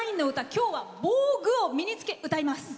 今日は防具を身に着け歌います。